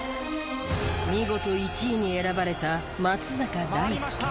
見事１位に選ばれた松坂大輔。